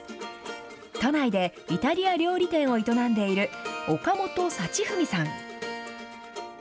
都内でイタリア料理店を営んでいる岡本幸史さん。